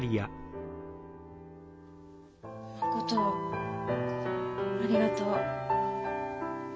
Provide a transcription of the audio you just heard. ・誠ありがとう。